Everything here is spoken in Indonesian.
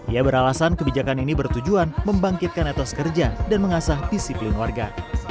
ia beralasan kebijakan ini bertujuan membangkitkan etos kerja dan mengasah disiplin warga